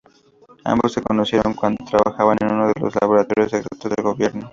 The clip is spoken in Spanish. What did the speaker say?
Ambos se conocieron cuando trabajaban en uno de los laboratorios secretos del gobierno.